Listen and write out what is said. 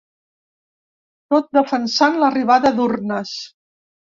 Tot defensant l’arribada d’urnes.